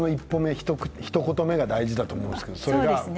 ひと言目が大事だと思いますけど。